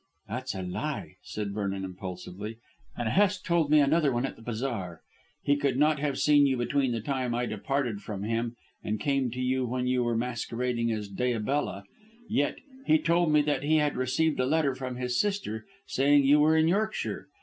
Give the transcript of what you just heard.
"That's a lie," said Vernon impulsively, "and Hest told me another one at the bazaar. He could not have seen you between the time I parted from him and came to you when you were masquerading as Diabella, yet he told me that he had received a letter from his sister saying you were in Yorkshire.